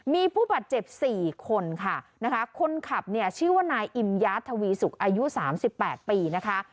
มีผู้ปัดเจ็บ๔คนค่ะคนขับชื่อว่านายอิมยาธวีสุกอายุ๓๘ปีนะคะ